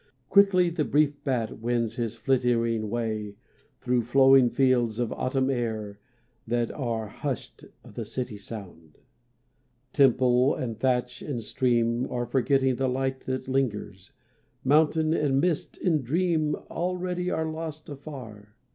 Quickly the brief bat wends His flittering way, thro flowing Fields of the autumn air, That are husht of the city's sound. Temple and thatch and stream Are forgetting the light that lingers, Mountain and mist in dream Already are lost, afar.